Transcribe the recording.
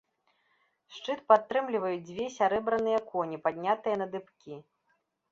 Шчыт падтрымліваюць дзве сярэбраныя коні, паднятыя на дыбкі.